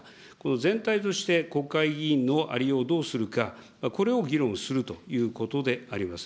全体として国会議員のありようをどうするか、これを議論するということであります。